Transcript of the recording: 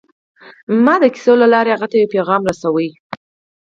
ما د کیسو له لارې هغه ته یو پیغام رساوه